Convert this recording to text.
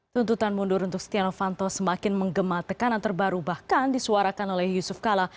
tuntutan mundur untuk setia novanto semakin menggema tekanan terbaru bahkan disuarakan oleh yusuf kala